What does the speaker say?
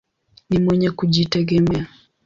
Ni mwenye kujitegemea.